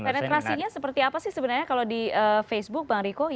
penetrasinya seperti apa sih sebenarnya kalau di facebook bang riko